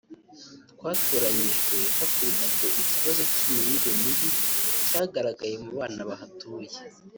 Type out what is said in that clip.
twatoranyijwe hakurikijwe ikibazo cy’imirire mibi cyagaragaye mu bana bahatuye